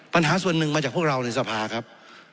ปัญหาส่วนหนึ่งมาจากพวกเราในสภาครับ